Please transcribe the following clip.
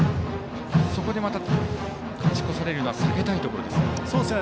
そこでまた、勝ち越されるのは避けたいところですよね。